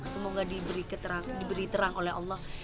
semoga diberi terang oleh allah